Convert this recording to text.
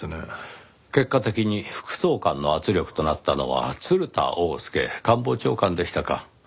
結果的に副総監の圧力となったのは鶴田翁助官房長官でしたか。